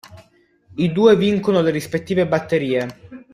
I due vincono le rispettive batterie.